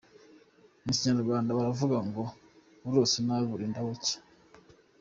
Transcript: Mu Kinyarwanda baravuga ngo “Urose nabi burinda bucya”.